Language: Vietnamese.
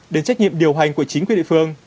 đến trách nhiệm điều hành của chính quyền địa phương